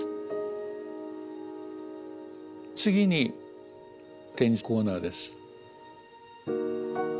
次に展示コーナーです。